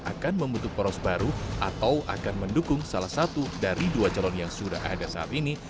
akan membentuk poros baru atau akan mendukung salah satu dari dua calon yang sudah ada saat ini